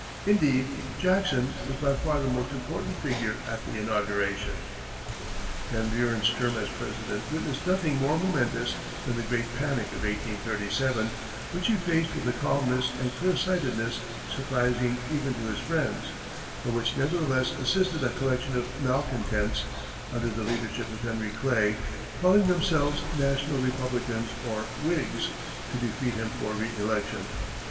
Indeed, Jackson, was by far the most important figure at the inauguration. Van Buren's term as President witnessed nothing more momentous than the great panic of 1837, which he faced with a calmness and clear sightedness surprising even to his friends, but which nevertheless assisted a collection of malcontents, under the leadership of Henry Clay, calling themselves National Republicans or Whigs, to defeat him for re election.